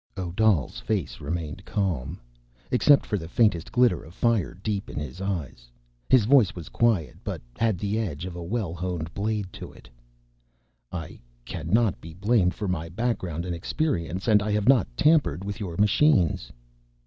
Odal's face remained calm, except for the faintest glitter of fire deep in his eyes. His voice was quiet, but had the edge of a well honed blade to it: "I cannot be blamed for my background and experience. And I have not tampered with your machines."